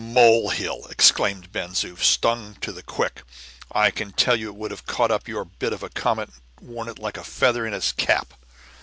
"Mole hill!" exclaimed Ben Zoof, stung to the quick. "I can tell you it would have caught up your bit of a comet and worn it like a feather in a cap."